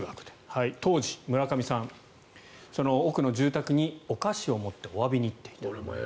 当時、村上さんは奥の住宅にお菓子を持っておわびに行っていた。